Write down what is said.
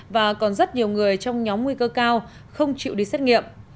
và còn rất nhiều người trong nhóm nguy cơ cao không chịu đi xét nghiệm